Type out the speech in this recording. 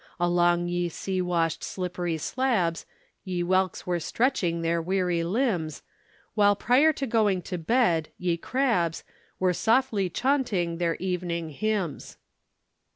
Along ye sea washed slipperie slabbes Ye whelkes were stretchynge their weary limbs, While prior to going to bedde ye crabbes Were softlie chaunting their evenynge hymnes."